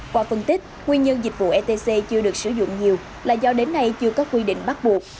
qua phân tích nguyên nhân dịch vụ etc chưa được sử dụng nhiều là do đến nay chưa có quy định bắt buộc